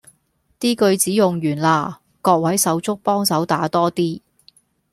啲句子用完啦，各位手足幫手打多啲